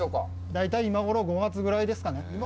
大体、今ごろ、５月ぐらいですかね。